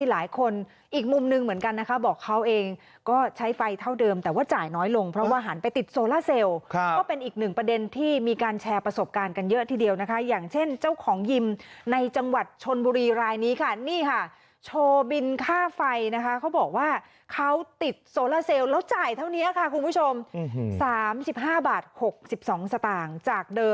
หลายคนอีกมุมหนึ่งเหมือนกันนะคะบอกเขาเองก็ใช้ไฟเท่าเดิมแต่ว่าจ่ายน้อยลงเพราะว่าหันไปติดโซล่าเซลก็เป็นอีกหนึ่งประเด็นที่มีการแชร์ประสบการณ์กันเยอะทีเดียวนะคะอย่างเช่นเจ้าของยิมในจังหวัดชนบุรีรายนี้ค่ะนี่ค่ะโชว์บินค่าไฟนะคะเขาบอกว่าเขาติดโซล่าเซลล์แล้วจ่ายเท่านี้ค่ะคุณผู้ชม๓๕บาท๖๒สตางค์จากเดิม